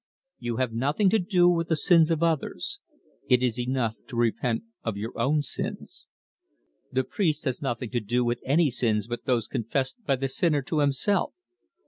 "You have nothing to do with the sins of others; it is enough to repent of your own sins. The priest has nothing to do with any sins but those confessed by the sinner to himself.